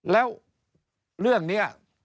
แล้วเรื่องนี้